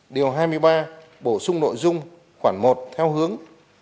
điều hai mươi ba bổ sung nội dung khoảng một theo hướng